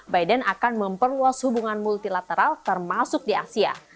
biden akan memperluas hubungan multilateral termasuk di asia